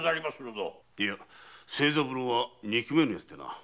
清三郎は憎めぬやつでな。